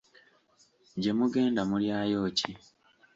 Gye mugenda mulyayo ki?